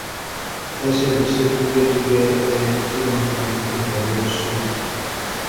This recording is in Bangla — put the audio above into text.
দেশে দেশে, যুগে যুগে এ এক চিরন্তন প্রতিরোধের সুর।